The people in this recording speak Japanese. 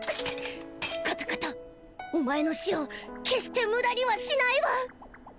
カタカタお前の死を決して無駄にはしないわ！